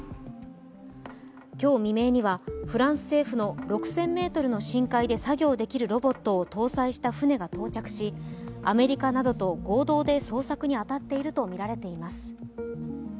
今日未明にはフランス政府の６０００ｍの深海で作業できるロボットが到着しアメリカなどと合同で捜索に当たっているとみられています。